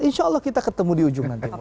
insya allah kita ketemu di ujung nanti